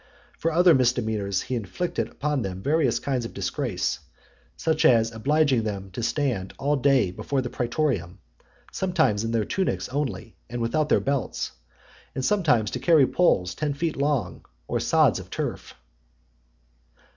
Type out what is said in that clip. For other misdemeanors he inflicted upon them various kinds of disgrace; such as obliging them to stand all day before the praetorium, sometimes in their tunics only, and without their belts, sometimes to carry poles ten feet long, or sods of turf.